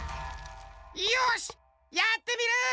よしやってみる！